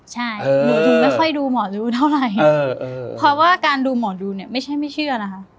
ใช่หนูถึงไม่ค่อยดูหมอดูเท่าไหร่เพราะว่าการดูหมอดูเนี่ยไม่ใช่ไม่เชื่อนะคะ